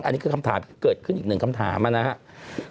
อันนี้คือคำถามที่เกิดขึ้นอีกหนึ่งคำถามนะครับ